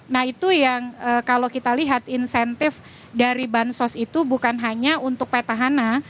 nah itu yang kalau kita lihat insentif dari bansos itu bukan hanya untuk petahana